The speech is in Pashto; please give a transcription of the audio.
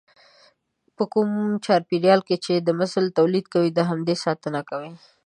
په کوم چاپېريال کې چې د مثل توليد کوي د همدې ساتنه کوي.